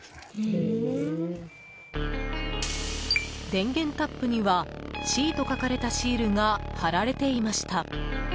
電源タップには「Ｃ」と書かれたシールが貼られていました。